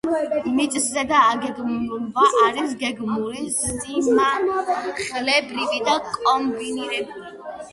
მიწისზედა აგეგმვა არის გეგმური, სიმაღლებრივი და კომბინირებული.